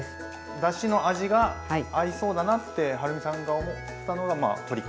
だしの味が合いそうだなってはるみさんが思ったのがまあ鶏か。